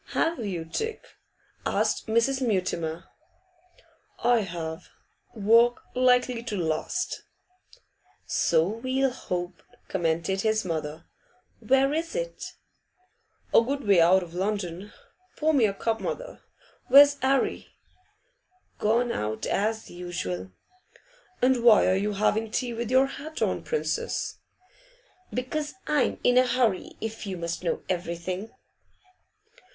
'. 'Have you, Dick?' asked Mrs. Mutimer. 'I have. Work likely to last.' 'So we'll hope,' commented his mother. 'Where is it?' 'A good way out of London. Pour me a cup, mother. Where's 'Arry?' 'Gone out, as usual.' 'And why are you having tea with your hat on, Princess?' 'Because I'm in a hurry, if you must know everything.